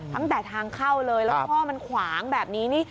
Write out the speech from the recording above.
ตั้งแต่ทางเข้าเลยแล้วท่อมันขวางแบบนี้นี่